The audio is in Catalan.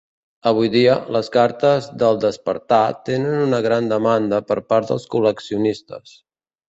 Avui dia, les cartes d"El despertar" tenen una gran demanda per part dels col·leccionistes.